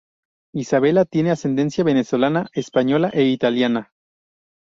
Isabela tiene ascendencia venezolana, española e italiana.